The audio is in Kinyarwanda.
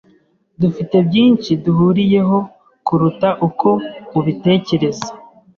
Dufite byinshi duhuriyeho kuruta uko mubitekereza.